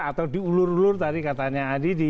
atau diulur ulur tadi katanya